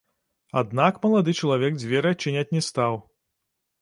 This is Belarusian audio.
Аднак малады чалавек дзверы адчыняць не стаў.